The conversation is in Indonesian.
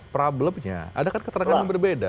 problemnya ada kan keterangan yang berbeda